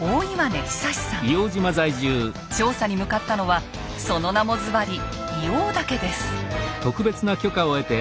調査に向かったのはその名もずばり「硫黄岳」です。